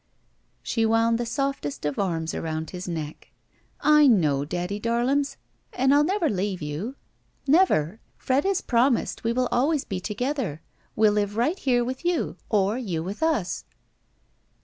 She wound the softest of arms about his neck. "I know, daddy darlums, and I'll never leave you. 207 GUILTY Never. Fred has promised we will always be together. We'll live right here with you, or you with us."